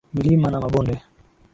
Milima na mabonde.